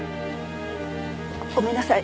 ごめんなさい。